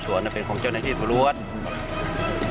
ภารกิจสรรค์ภารกิจสรรค์